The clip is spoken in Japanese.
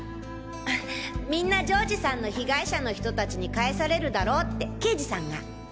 みんな丈治さんの被害者の人たちに返されるだろうって刑事さんが。